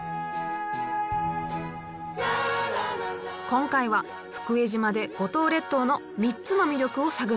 今回は福江島で五島列島の３つの魅力を探っていきます。